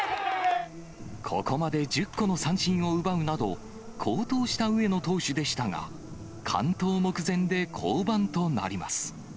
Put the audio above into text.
ここまで１０個の三振を奪うなど、好投した上野投手でしたが、完投目前で降板となります。